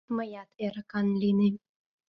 Мыят эрыкан лийнем.